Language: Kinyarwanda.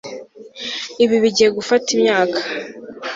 Ibi bigiye gufata imyaka